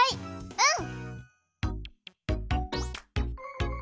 うん！